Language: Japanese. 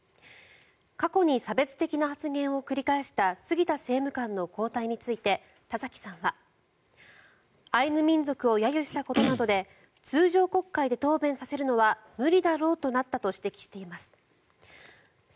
過去に差別的な発言を繰り返した杉田政務官の交代について田崎さんはアイヌ民族を揶揄したことなどで通常国会で答弁させるのは無理だろうとなったと指摘しています。